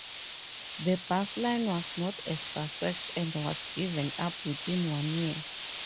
The bus line was not a success and was given up within one year.